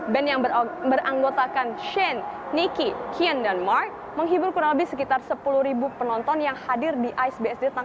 band yang beranggotakan shane nicki kian dan mark menghibur kurang lebih sekitar sepuluh ribu penonton yang hadir di ice bsd